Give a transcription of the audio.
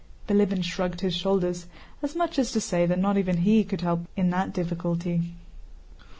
Bilíbin shrugged his shoulders, as much as to say that not even he could help in that difficulty.